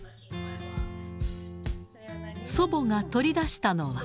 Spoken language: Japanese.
祖母が取り出したのは。